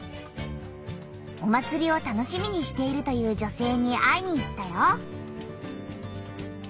お祭りを楽しみにしているという女性に会いに行ったよ。